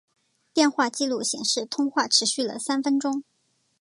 电话记录显示通话持续了三分钟。